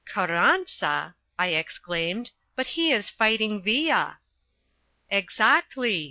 "Carranza!" I exclaimed. "But he is fighting Villa!" "Exactly.